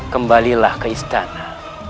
kembalilah ke istana